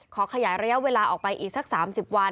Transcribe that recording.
ขยายระยะเวลาออกไปอีกสัก๓๐วัน